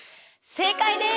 正解です！